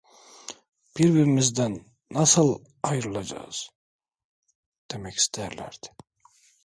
"Birbirimizden nasıl ayrılacağız?" demek isterlerdi.